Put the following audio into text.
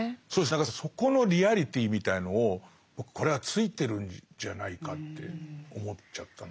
何かそこのリアリティーみたいのを僕これはついてるんじゃないかって思っちゃったな。